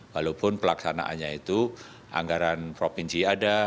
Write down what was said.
walaupun pelaksanaannya itu anggaran provinsi ada